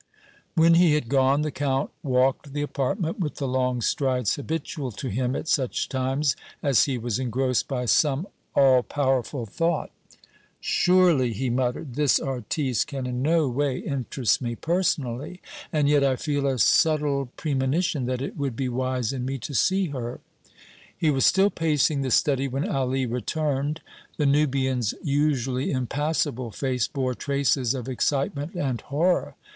When he had gone, the Count walked the apartment with the long strides habitual to him at such times as he was engrossed by some all powerful thought. "Surely," he muttered, "this artiste can in no way interest me personally, and yet I feel a subtile premonition that it would be wise in me to see her." He was still pacing the study when Ali returned. The Nubian's usually impassible face bore traces of excitement and horror.